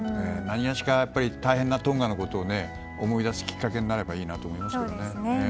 何がしか、大変なトンガのことを思い出すきっかけになればいいなと思いますけどね。